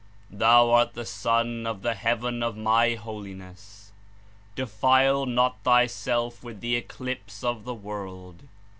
Thou art the sun of the heaven of My Holiness; defile not thyself with the eclipse of the world."